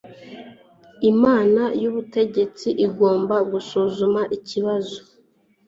inama y'ubutegetsi igomba gusuzuma ikibazo